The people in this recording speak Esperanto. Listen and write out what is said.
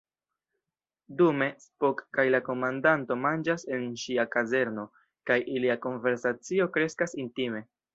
Dume, Spock kaj la komandanto manĝas en ŝia kazerno, kaj ilia konversacio kreskas intime.